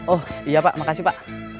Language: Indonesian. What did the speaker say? oh iya pak makasih pak